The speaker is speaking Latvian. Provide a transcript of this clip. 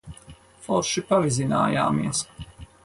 Forši pavizinājāmies.